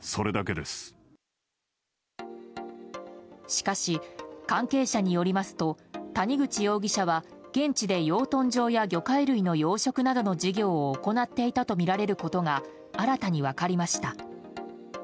しかし関係者によりますと谷口容疑者は現地で、養豚場や魚介類の養殖などの事業を行っていたとみられることが新たに分かりました。